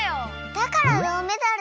だからどうメダル。